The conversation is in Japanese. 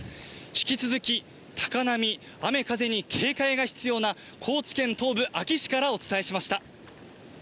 引き続き、高波、雨風に警戒が必要な、高知県東部、安芸市からお伝えしました。